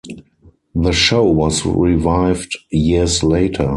The show was revived years later.